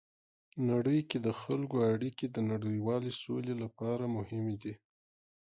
نړۍ کې د خلکو اړیکې د نړیوالې سولې لپاره مهمې دي.